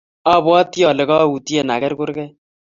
abwatii ale kayutien aker kurkee.